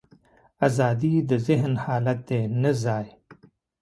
ازادي د ذهن حالت دی، نه ځای.